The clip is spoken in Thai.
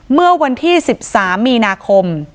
เมื่อวันที่๑๓มีนาคม